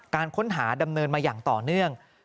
การค้นหาดำเนินมาอย่างต่อเนื่อง